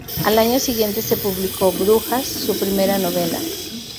Al año siguiente se publicó "Brujas", su primera novela.